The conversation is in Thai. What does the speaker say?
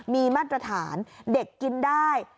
มีมาตรฐานเด็กกินได้